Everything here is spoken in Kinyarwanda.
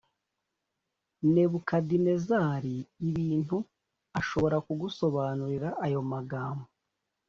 nebukadinezari ibintu ashobora kugusobanurira ayo magambo